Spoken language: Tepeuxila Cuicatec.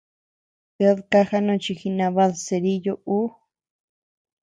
¡Ted kaja nochi jinabad kerillo ú!